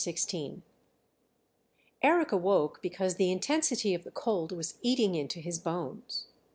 XVI Eric awoke because the intensity of the cold was eating into his bones.